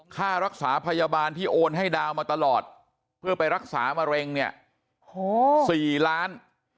ค่ารักษาพยาบาลที่โอนให้ดาวมาตลอดเพื่อไปรักษามะเร็งเนี่ย๔ล้าน